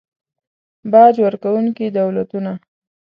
باج ورکونکي دولتونه